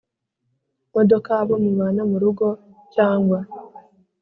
Modoka abo mubana mu rugo cyangwa